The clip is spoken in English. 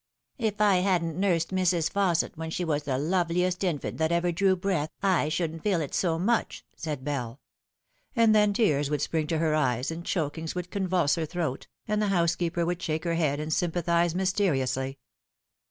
"If /hadn't nursed Mrs. Fausset when she was the loveliest infant that ever drew breath, I shouldn't feel it so much," said Bell ; and then tears would spring to her eyes and chokings would convulse her throat, and the housekeeper would shake her head and sympa thise mysteriously.